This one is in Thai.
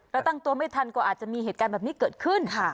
และตั้งตัวไม่ทันก็อาจจะมีหเกอร์การแบบนี้ก็เกิดขึ้นค่ะ